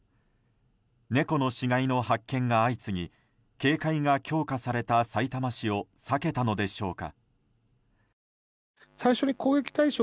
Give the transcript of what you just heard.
猫の死骸の発見が相次ぎ警戒が強化されたさいたま市を避けたのでしょうか。